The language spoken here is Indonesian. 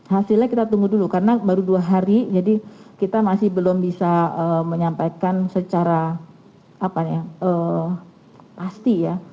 hasilnya kita tunggu dulu karena baru dua hari jadi kita masih belum bisa menyampaikan secara pasti ya